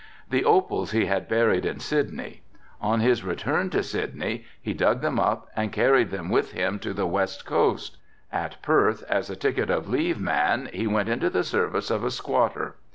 The opals he had buried in Sydney. On his return to Sydney he dug them up and carried them with him to the west coast. At Perth, as a ticket of leave man he went into the service of a squatter.